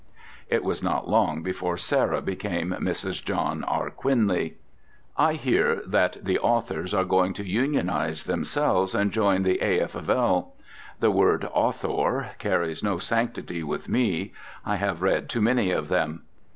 It was not long before Sarah became Mrs. John R. Quinley. I hear that the authors are going to unionize themselves and join the A.F. of L. The word "author" carries no sanctity with me: I have read too many of them.